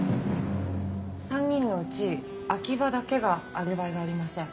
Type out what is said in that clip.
３人のうち秋葉だけがアリバイがありません。